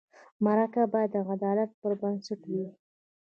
مرکه باید د عدالت پر بنسټ وي.